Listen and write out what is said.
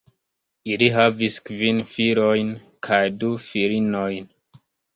Ili havis kvin filojn kaj du filinojn.